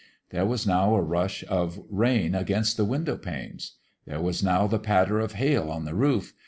There was now a rush of rain against the window panes ; there was now the patter of hail on the roof.